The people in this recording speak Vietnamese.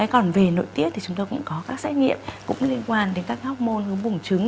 còn về nội tiết thì chúng tôi cũng có các xét nghiệm cũng liên quan đến các hormôn hướng bùng trứng